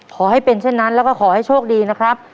ขอให้เป็นเช่นนั้นแล้วก็ขอให้โชคดีนะครับ